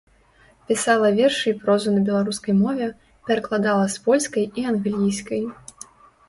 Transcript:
Пісала вершы і прозу на беларускай мове, перакладала з польскай і англійскай.